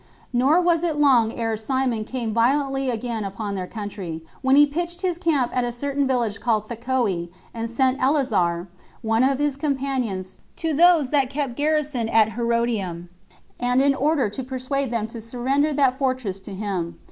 Nor was it long ere Simon came violently again upon their country; when he pitched his camp at a certain village called Thecoe, and sent Eleazar, one of his companions, to those that kept garrison at Herodium, and in order to persuade them to surrender that fortress to him.